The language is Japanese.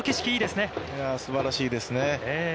すばらしいですね。